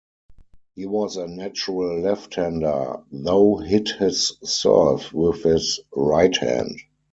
He was a natural left-hander, though hit his serve with his right hand.